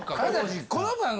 この番組。